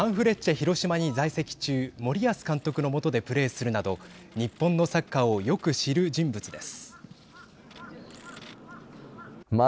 広島に在籍中森保監督の下でプレーするなど日本のサッカーをよく知る人物です。